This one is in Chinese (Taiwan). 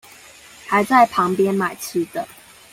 還在旁邊買吃的